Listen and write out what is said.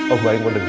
om baik mau denger